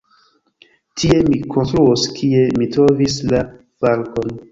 Tie mi konstruos, kie mi trovis la falkon.